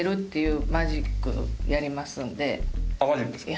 マジックですか？